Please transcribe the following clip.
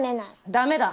ダメだ。